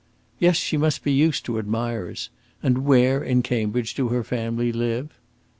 "Yes; she must be used to admirers. And where, in Cambridge, do her family live?"